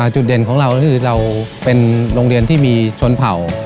จุดเด่นของเราก็คือเราเป็นโรงเรียนที่มีชนเผ่า